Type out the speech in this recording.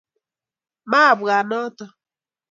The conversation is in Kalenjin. mwabwat noto.